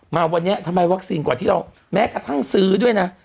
มาวันนี้ทำไมวัคซีนกว่าที่เราแม้กระทั่งซื้อด้วยนะ